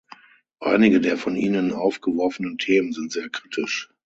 Einige der von Ihnen aufgeworfenen Themen sind sehr kritisch.